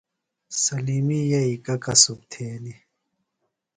سلمی ییی گہ کسُب تھینی؟